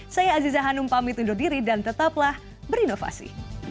saya aziza hanum pamit undur diri dan tetaplah berinovasi